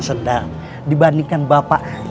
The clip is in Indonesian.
sedang dibandingkan bapaknya